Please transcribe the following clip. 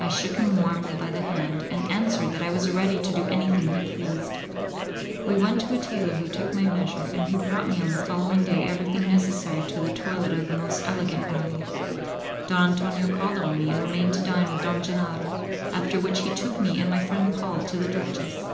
I shook him warmly by the hand, and answered that I was ready to do anything he pleased. We went to a tailor who took my measure, and who brought me on the following day everything necessary to the toilet of the most elegant abbé. Don Antonio called on me, and remained to dine with Don Gennaro, after which he took me and my friend Paul to the duchess.